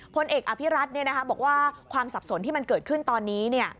พลเอกอภิรัตนบอกว่าความสับสนที่มันเกิดขึ้นตอนนี้